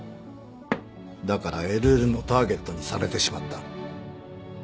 だからＬＬのターゲットにされてしまった。